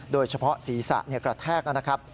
โดยเฉพาะศีรษะกระแทกนะครับ